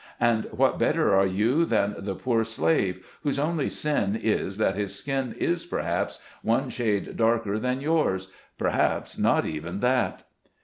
And what better are you than the poor slave, whose only sin is, that his skin is, perhaps, one shade darker than yours — perhaps not even that